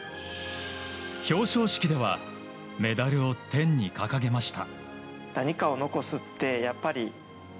表彰式ではメダルを天に掲げました。